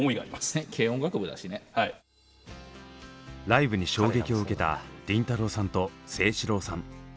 ライブに衝撃を受けた倫太郎さんと聖志郎さん。